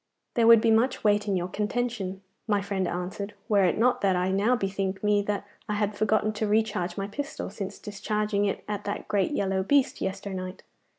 'There would be much weight in your contention,' my friend answered, 'were it not that I now bethink me that I had forgot to recharge my pistol since discharging it at that great yellow beast yesternight.